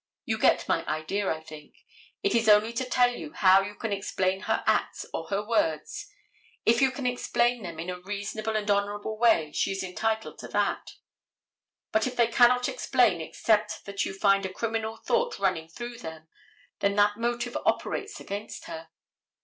You get my idea I think. It is only to tell you how you can explain her acts or her words. If you can explain them in a reasonable and honorable way she is entitled to that. But if they cannot explain except that you find a criminal thought running through them, then that motive operates against her.